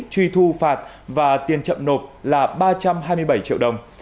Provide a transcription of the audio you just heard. truy thu phạt và tiền chậm nộp là ba trăm hai mươi bảy triệu đồng